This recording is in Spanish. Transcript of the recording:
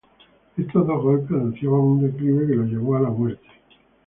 Estos dos golpes anunciaban un declive que lo llevó a la muerte.